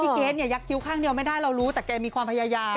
เกรทเนี่ยยักษิ้วข้างเดียวไม่ได้เรารู้แต่แกมีความพยายาม